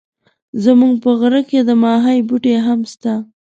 زموږ په غره کي د ماخۍ بوټي هم سته.